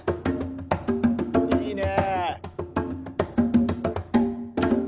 いいね。